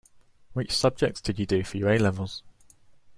Which subjects did you do for your A-levels?